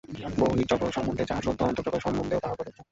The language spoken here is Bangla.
বহির্জগৎ সম্বন্ধে যাহা সত্য, অন্তর্জগৎ সম্বন্ধেও তাহা প্রযোজ্য।